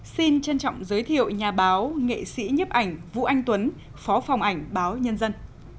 xin trân trọng giới thiệu nhà báo nghệ sĩ nhấp ảnh vũ anh tuấn phó phòng ảnh báo nhân dân